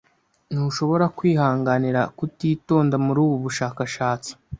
Ntushobora kwihanganira kutitonda muri ubu bushakashatsi.